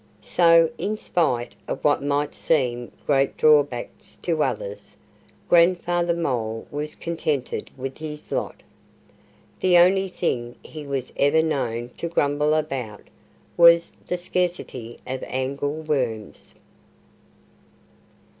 So in spite of what might seem great drawbacks to others, Grandfather Mole was contented with his lot. The only thing he was ever known to grumble about was the scarcity of angleworms.